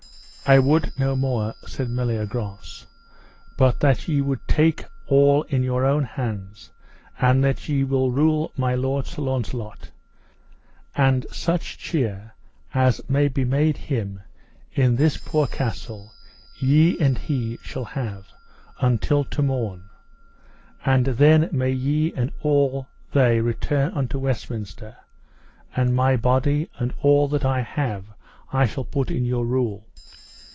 I would no more, said Meliagrance, but that ye would take all in your own hands, and that ye will rule my lord Sir Launcelot; and such cheer as may be made him in this poor castle ye and he shall have until to morn, and then may ye and all they return unto Westminster; and my body and all that I have I shall put in your rule.